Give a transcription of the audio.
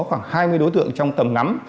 khoảng hai mươi đối tượng trong tầm năm